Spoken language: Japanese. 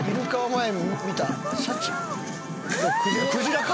クジラか！